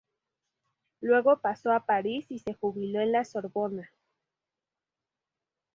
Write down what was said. Luego pasó a París, y se jubiló en la Sorbona.